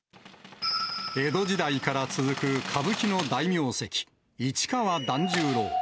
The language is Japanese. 江戸時代から続く歌舞伎の大名跡、市川團十郎。